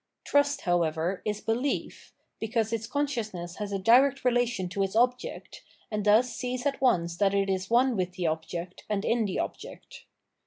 Trust, however, is belief, because its consciousness has a direct relation to its object, and thus sees at once that it is one with the object, and in the object.